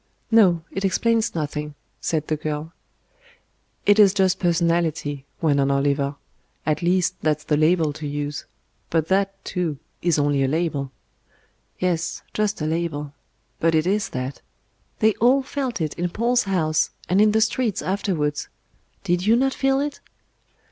"No, it explains nothing," said the girl. "It is just personality," went on Oliver, "at least, that's the label to use. But that, too, is only a label." "Yes, just a label. But it is that. They all felt it in Paul's House, and in the streets afterwards. Did you not feel it?"